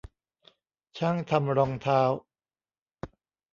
ช่างทำรองเท้า